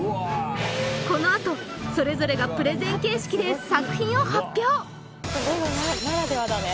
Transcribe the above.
このあとそれぞれがプレゼン形式で作品を発表